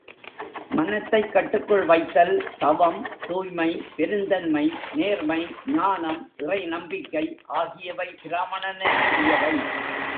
மனத்தைக் கட்டுக்குள் வைத்தல், தவம், தூய்மை, பெருந்தன்மை, நேர்மை, ஞானம், இறை நம்பிக்கை ஆகியவை பிராமணனுக்குரியவை.